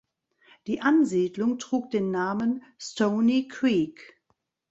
Die Ansiedlung trug den Namen "Stoney Creek".